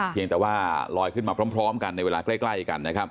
เพียงแต่ว่าลอยขึ้นมาพร้อมกันในเวลาใกล้กันนะครับ